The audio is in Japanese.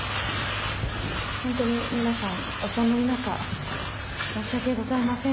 本当に皆さんお寒い中、申し訳ございません。